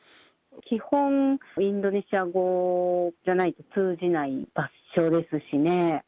基本、インドネシア語じゃないと通じない場所ですしね。